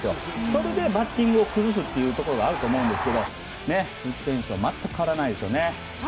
それでバッティングを崩すというのがあると思うんですが鈴木選手は全く変わらないですね。